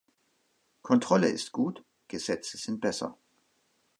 Kontrolle ist gut, Gesetze sind besser.